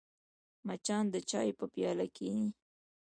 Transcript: مچان د چای په پیاله کښېني